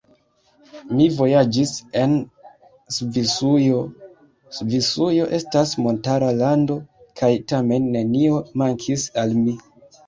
Mi vojaĝis en Svisujo; Svisujo estas montara lando, kaj tamen nenio mankis al mi.